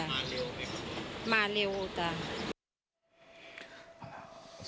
มาเร็วอุ๊ตา